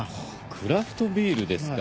クラフトビールですか。